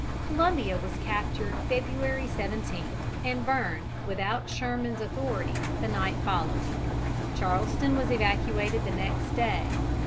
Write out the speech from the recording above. Columbia was captured February 17, and burned, without Sherman's authority, the night following. Charleston was evacuated the next day.